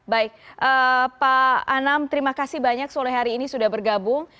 baik pak anam terima kasih banyak sore hari ini sudah bergabung